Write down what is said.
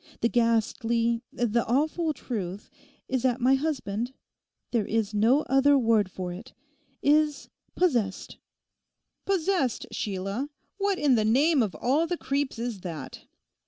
The ghastly, the awful truth is that my husband—there is no other word for it—is—possessed!' '"Possessed," Sheila! What in the name of all the creeps is that?